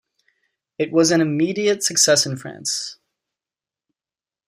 It was an immediate success in France.